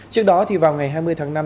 trước đó vào ngày hai mươi tháng năm